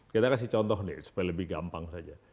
kita kasih contoh nih supaya lebih gampang saja